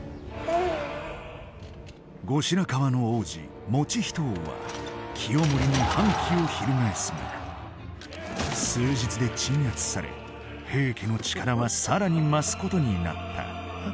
後白河の皇子以仁王は清盛に反旗を翻すが数日で鎮圧され平家の力は更に増すことになった。